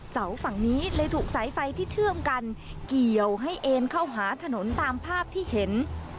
เสาฝั่งนี้เลยถูกสายไฟที่เชื่อมกันเกี่ยวให้เอ็นเข้าหาถนนตามภาพที่เห็น